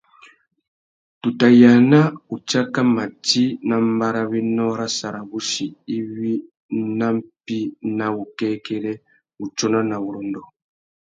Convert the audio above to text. Tu tà yāna utsáka mati nà mbarrawénô râ sarawussi iwí nà mpí ná wukêkêrê, wutsôna na wurrôndô.